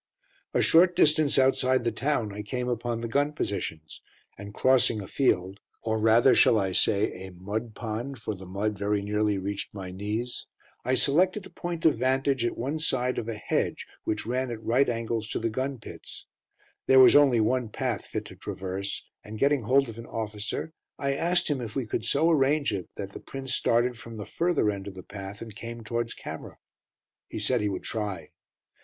[Illustration: ON THE WAY TO THE "MENIN GATE" WITH AN ARTILLERY OFFICER, TO FILM OUR GUNS IN ACTION] A short distance outside the town I came upon the gun positions, and crossing a field or rather shall I say a mud pond, for the mud very nearly reached my knees I selected a point of vantage at one side of a hedge which ran at right angles to the gun pits. There was only one path fit to traverse, and getting hold of an officer, I asked him if we could so arrange it that the Prince started from the further end of the path and came towards camera. He said he would try.